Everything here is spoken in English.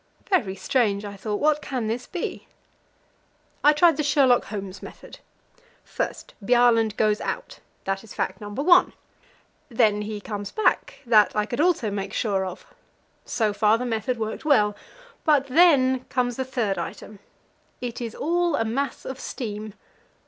Very strange, I thought; what can this be? I tried the Sherlock Holmes method first Bjaaland goes out; that is fact number one. Then he comes back; that I could also make sure of. So far the method worked well. But then comes the third item "It is all a mass of steam."